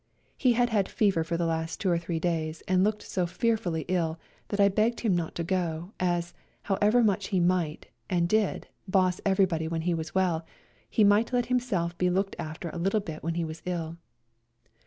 He had had fever for the last two or three days, and looked so fearfully ill that I begged him not to go, as, however much he might, and did, boss everybody when he was well, he might let hirr^self be looked after a little bit when he was ill.